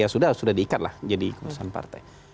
sudah diikatlah jadi keputusan partai